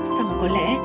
xong có lẽ